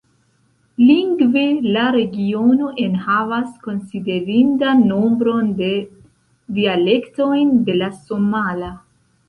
Lingve, la regiono enhavas konsiderindan nombron de dialektojn de la somala.